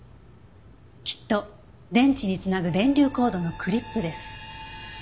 きっと電池に繋ぐ電流コードのクリップです。